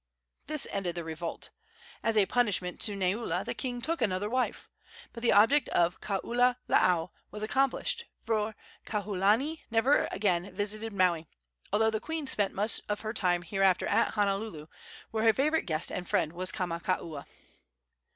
This ended the revolt. As a punishment to Neula the king took another wife. But the object of Kaululaau was accomplished, for Kauholanui never again visited Maui, although the queen spent much of her time thereafter at Honuaula, where her favorite guest and friend was Kamakaua.